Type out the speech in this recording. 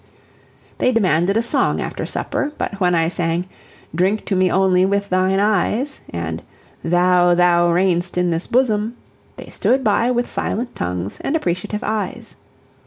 They demanded a song after supper, but when I sang, "Drink to Me only with Thine Eyes," and "Thou, Thou, Reign'st in this Bosom," they stood by with silent tongues and appreciative eyes.